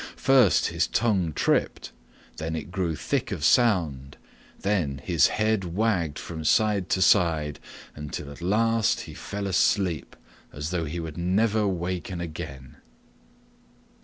First his tongue tripped, then it grew thick of sound; then his head wagged from side to side, until at last he fell asleep as though he never would waken again.